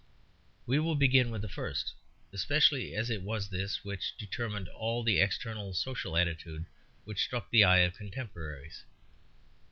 We will begin with the first, especially as it was this which determined all that external social attitude which struck the eye of contemporaries.